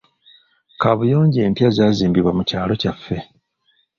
Kaabuyonjo empya zaazimbibwa mu kyalo kyaffe.